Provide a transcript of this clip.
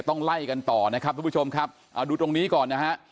ต้องไล่กันต่อนะครับทุกผู้ชมครับเอาดูตรงนี้ก่อนนะฮะ